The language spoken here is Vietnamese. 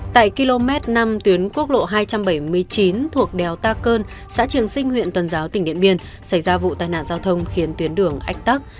tại km năm tuyến quốc lộ hai trăm bảy mươi chín thuộc đèo ta cơn xã trường sinh huyện tuần giáo tỉnh điện biên xảy ra vụ tai nạn giao thông khiến tuyến đường ách tắc